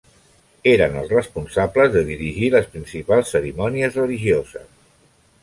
Eren els responsables de dirigir les principals cerimònies religioses.